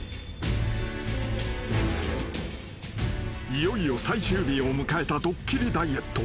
［いよいよ最終日を迎えたドッキリダイエット］